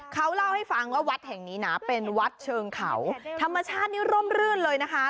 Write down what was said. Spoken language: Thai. เขาเล่าให้ฟังว่าวัดแห่งนี้นะเป็นวัดเชิงเขาธรรมชาตินี่ร่มรื่นเลยนะคะ